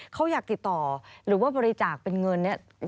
เขาอยากติดต่อหรือว่าบริจาคเป็นเงินเนี่ย